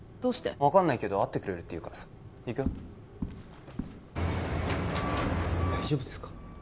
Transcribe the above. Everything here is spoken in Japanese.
分かんないけど会ってくれるって行くよ大丈夫ですか？